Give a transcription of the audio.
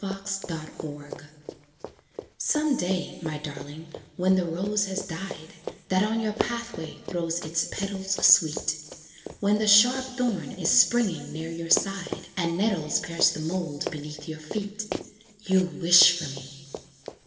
FOR Some day, my darling, when the rose has died, That on your pathway throws its petals sweet, When the sharp thorn is springing near your side And nettles pierce the mould beneath your feet, You'll wish for me.